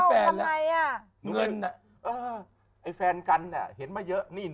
ไอคนจะเป็นแฟนกลับกันก็คบกันไปดิ